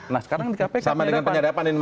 nah sekarang di kpk penyedapan